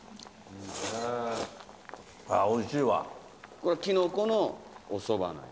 おいしいわ。